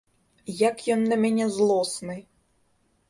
Як ён на мяне злосны!